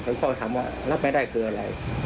พ่อถามว่ารับไม่ได้คืออะไร